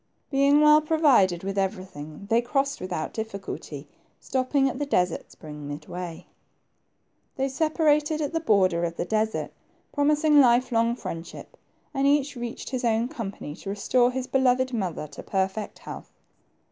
Being well provided with everything, they crossed without difficulty, stopping at the desert spring midway. 102 THE TWO PRINCES. They separated at the border of the desert, promising lifelong friendship, and each reached his own country to restore his beloved mother to perfect health.